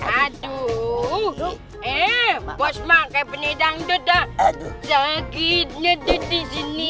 aduh eh bos mah kayak penidang dada sakitnya tuh disini